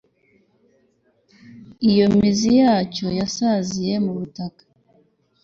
iyo imizi yacyo yasaziye mu butaka